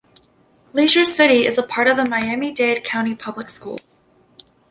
Leisure City is a part of the Miami-Dade County Public Schools.